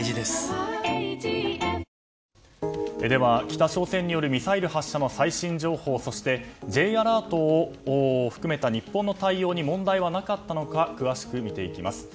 北朝鮮によるミサイル発射の最新情報そしてＪアラートを含めた日本の対応に問題はなかったのか詳しく見ていきます。